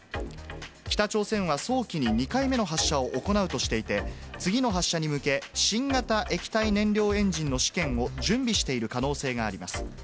北朝鮮は早期に２回目の発射を行うとしていて、次の発射に向け、新型液体燃料エンジンの試験を準備している可能性があります。